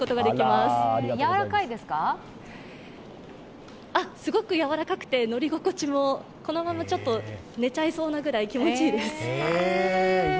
すごく柔らかくて乗り心地もこのままちょっと寝ちゃいそうなくらい気持ちいいです。